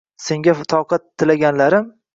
Senga toqat tilaganlarim?